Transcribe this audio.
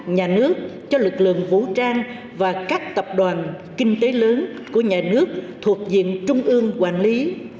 nhà nước cho lực lượng vũ trang và các tập đoàn kinh tế lớn của nhà nước thuộc diện trung ương quản lý